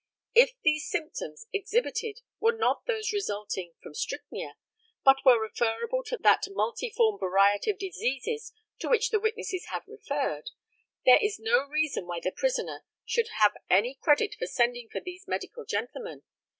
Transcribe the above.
If these symptoms exhibited were not those resulting from strychnia, but were referable to that multiform variety of diseases to which the witnesses have referred, there is no reason why the prisoner should have any credit for sending for these medical gentlemen.